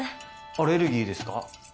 アレルギーですか？